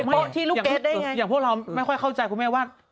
อย่างพวกเราไม่ค่อยเข้าใจคุณแม่ว่า